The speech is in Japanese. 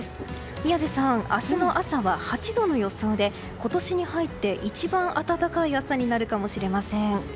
宮司さん明日の朝は８度の予想で今年に入って一番暖かい朝になるかもしれません。